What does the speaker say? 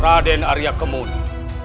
rade naria kemudi